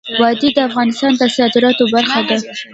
وادي د افغانستان د صادراتو برخه ده.